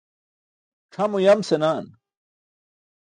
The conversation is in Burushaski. C̣ʰam uyam senaan.